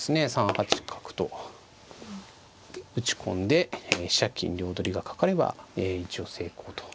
３八角と打ち込んで飛車金両取りがかかれば一応成功と。